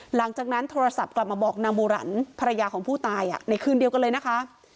หลังจากนั้นโทรศัพท์กลับมาบอกนางบูรันภรรยาของผู้ตายในคืนเดียวกันเลยนะคะ